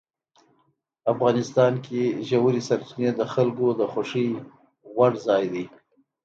افغانستان کې ژورې سرچینې د خلکو د خوښې وړ ځای دی.